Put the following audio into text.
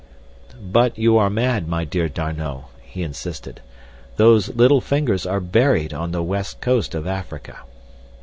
"But you are mad, my dear D'Arnot," he insisted. "Those little fingers are buried on the west coast of Africa."